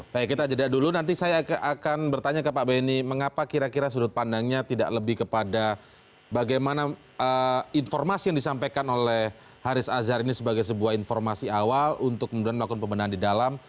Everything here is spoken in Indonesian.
baik kita jeda dulu nanti saya akan bertanya ke pak benny mengapa kira kira sudut pandangnya tidak lebih kepada bagaimana informasi yang disampaikan oleh haris azhar ini sebagai sebuah informasi awal untuk kemudian melakukan pembenahan di dalam